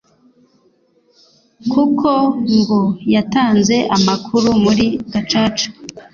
kuko ngo yatanze amakuru muri Gacaca